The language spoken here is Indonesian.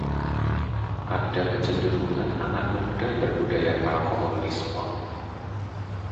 ada kecenderungan anak muda berbudaya alkoholisme